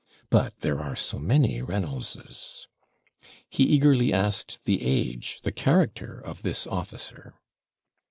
'But there are so many Reynoldses.' He eagerly asked the age the character of this officer.